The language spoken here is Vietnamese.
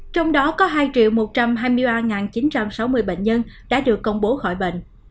trong đó có hai một trăm hai mươi ba chín trăm sáu mươi bệnh nhân đã được công bố khỏi bệnh